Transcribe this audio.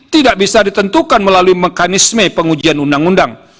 tidak bisa ditentukan melalui mekanisme pengujian undang undang